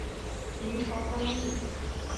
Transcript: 明朝官吏。